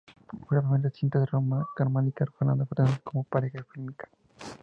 Fue la primera cinta de Rosa Carmina y Fernando Fernández como pareja fílmica.